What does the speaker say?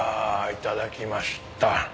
いただきました。